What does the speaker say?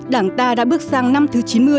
đảng ta đã bước sang năm thứ chín mươi